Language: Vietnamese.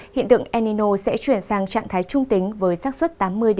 hiện tượng enino sẽ chuyển sang trạng thái trung tính với sát xuất tám mươi tám mươi năm